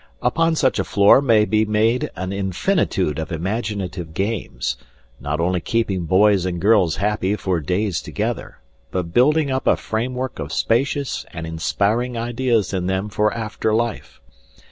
Upon such a floor may be made an infinitude of imaginative games, not only keeping boys and girls happy for days together, but building up a framework of spacious and inspiring ideas in them for after life.